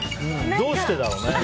どうしてだろうね。